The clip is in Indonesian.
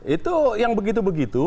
itu yang begitu begitu